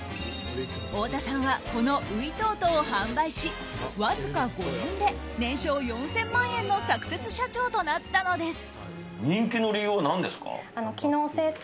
太田さんはこのウイトートを販売しわずか５年で年商４０００万円のサクセス社長となったのです。